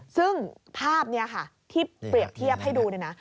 ซึ่งภาพนี้ค่ะที่เปรียบเทียบให้ดูเนี่ยนะ